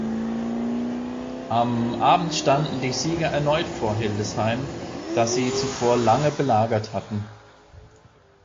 Am Abend standen die Sieger erneut vor Hildesheim, das sie zuvor lange belagert hatten.